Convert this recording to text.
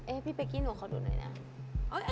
พี่เป๊กกี้หนูขอดูหน่อยนะ